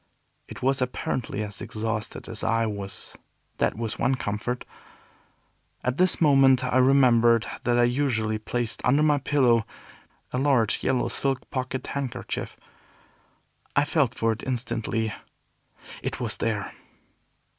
It was apparently as exhausted as I was; that was one comfort. At this moment I remembered that I usually placed under my pillow, before going to bed, a large yellow silk pocket handkerchief. I felt for it instantly; it was there.